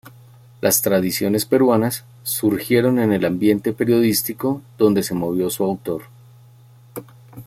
Las "Tradiciones peruanas" surgieron en el ambiente periodístico donde se movió su autor.